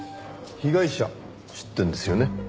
被害者知ってるんですよね？